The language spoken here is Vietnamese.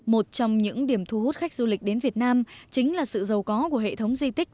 một trong những điểm thu hút khách du lịch đến việt nam chính là sự giàu có của hệ thống di tích